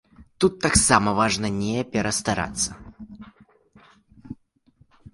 Тут таксама важна не перастарацца.